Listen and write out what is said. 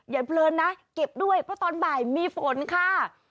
เพลินนะเก็บด้วยเพราะตอนบ่ายมีฝนค่ะ